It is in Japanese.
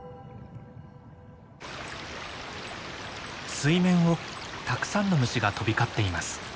水面をたくさんの虫が飛び交っています。